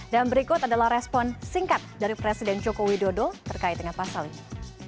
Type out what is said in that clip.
dan berikut adalah respon singkat dari presiden jokowi dodo terkait dengan pasal ini